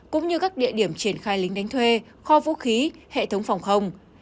cũng như các địa điểm triển khai lính đánh thuê kho vũ khí hệ thống phòng không